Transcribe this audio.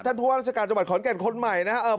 ผู้ว่าราชการจังหวัดขอนแก่นคนใหม่นะครับ